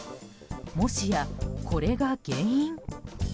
もしや、これが原因？